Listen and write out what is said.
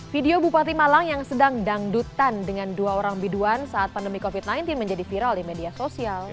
video bupati malang yang sedang dangdutan dengan dua orang biduan saat pandemi covid sembilan belas menjadi viral di media sosial